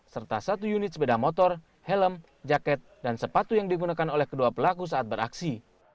serta satu unit sepeda motor helm jaket dan sepatu yang digunakan oleh kedua pelaku saat beraksi